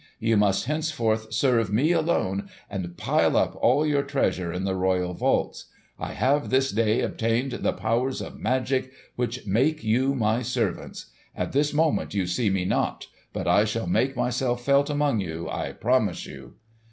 Ye must henceforth serve me alone, and pile up all your treasure in the royal vaults. I have this day obtained the powers of magic which make you my servants. At this moment you see me not; but I shall make myself felt among you, I promise you!"